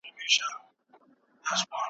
پروفيسر براون د نومونو توپير ته ارزښت ورنکړ.